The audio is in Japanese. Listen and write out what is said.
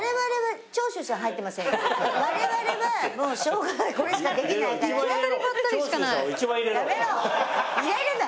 我々はもうしようがないこれしかできないからね。